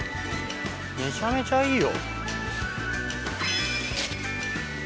めちゃめちゃいいよ。